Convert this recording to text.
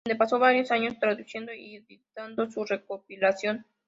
Donde pasó varios años traduciendo y editando su recopilación.